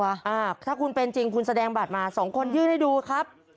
อ่าถ้าคุณเป็นจริงคุณแสดงบัตรมาสองคนยื่นให้ดูครับ